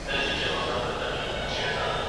که موږ په پښتو فکر وکړو نو نوښتونه کولای شو.